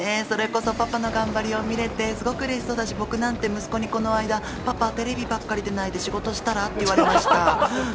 それこそパパの頑張りを見れてすごくうれしそうだし、僕なんて、息子にこの間、パパ、テレビばっかり出ないで仕事したらって言われました。